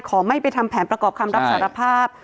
ไม่ไปทำแผนประกอบคำรับสารภาพ